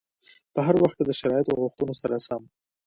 په هر وخت کې د شرایطو غوښتنو سره سم.